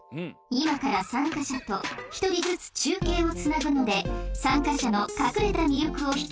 今から参加者と１人ずつ中継をつなぐので参加者の隠れた魅力を引き出してください。